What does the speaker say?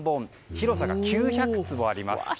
広さが９００坪あります。